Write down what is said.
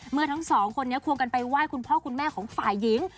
เมื่อทั้งสองคนนี้ควงกันไปไหว้คุณพ่อคุณแม่ของฝ่ายหญิง